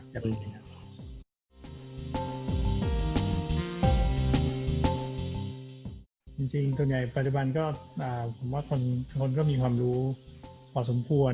จริงตอนในปัจจุบันคนก็มีความรู้พอสมควร